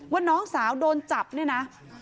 ว่าน้องสาวโดนจับเนี่ยนะ